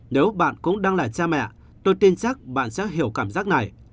nếu bạn cũng đang là cha mẹ tôi tin chắc bạn sẽ hiểu cảm giác này